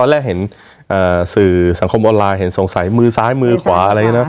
แรกเห็นสื่อสังคมออนไลน์เห็นสงสัยมือซ้ายมือขวาอะไรอย่างนี้นะ